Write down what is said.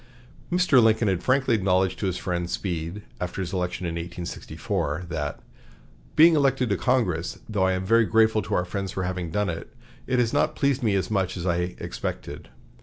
Mr. Lincoln had frankly acknowledged to his friend Speed, after his election in 1846, that "being elected to Congress, though I am very grateful to our friends for having done it, has not pleased me as much as I expected."